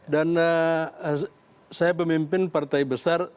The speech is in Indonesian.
dan saya pemimpin partai besar